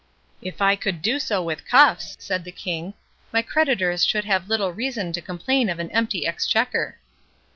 "If I could do so with cuffs," said the King, "my creditors should have little reason to complain of an empty exchequer."